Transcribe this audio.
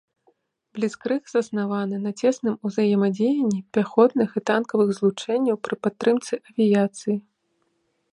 Бліцкрыг заснаваны на цесным узаемадзеянні пяхотных і танкавых злучэнняў пры падтрымцы авіяцыі.